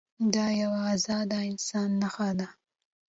دا د یوه ازاد انسان نښه ده.